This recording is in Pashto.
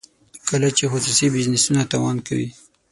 کله چې خصوصي بزنسونه تاوان کوي.